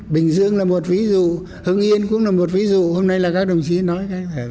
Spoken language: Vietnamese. bình dương là một ví dụ hưng yên cũng là một ví dụ hôm nay là các đồng chí nói